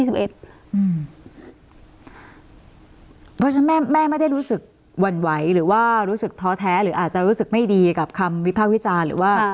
เพราะฉะนั้นแม่ไม่ได้รู้สึกหวั่นไหวหรือว่ารู้สึกท้อแท้หรืออาจจะรู้สึกไม่ดีกับคำวิพากษ์วิจารณ์หรือว่า